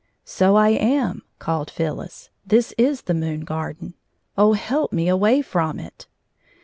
" So I am," called Phyllis. " This is the moon garden ! Oh, help me away from it